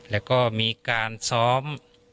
แล้วก็มีการซ้อม